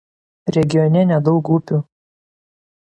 Regione nedaug upių.